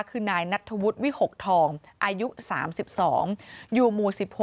คือนายนัทธวุฒิวิหกทองอายุ๓๒อยู่หมู่๑๖